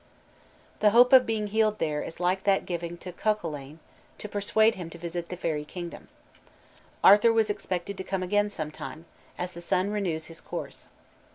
_ The hope of being healed there is like that given to Cuchulain (q. v.), to persuade him to visit the fairy kingdom. Arthur was expected to come again sometime, as the sun renews his course.